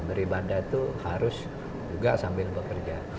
beribadah itu harus juga sambil bekerja